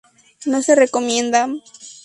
No se recomienda.